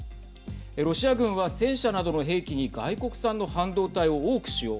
ロシア軍は戦車などの兵器に外国産の半導体を多く使用。